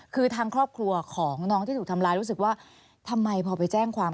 คือทางครอบครัวของน้องที่ถูกทำร้ายรู้สึกว่าทำไมพอไปแจ้งความ